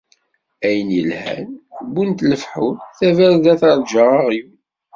Ayen yelhan, wwin-t lefḥul, tabarda terǧa aɣyul